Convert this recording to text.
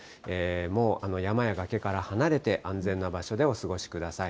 もう山や崖から離れて、安全な場所でお過ごしください。